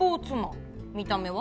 見た目は？